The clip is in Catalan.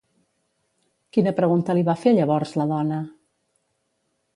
Quina pregunta li va fer llavors la dona?